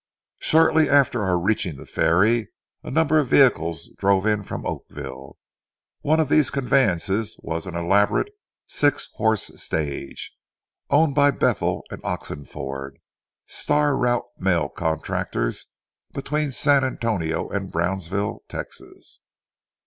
Shortly after our reaching the ferry, a number of vehicles drove in from Oakville. One of these conveyances was an elaborate six horse stage, owned by Bethel & Oxenford, star route mail contractors between San Antonio and Brownsville, Texas.